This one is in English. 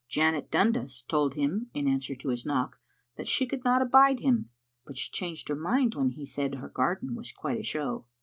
Janet iDundas told him, in answer to his knock, that she could iiot abide him, but she changed her mind when he said iher garden was quite a show.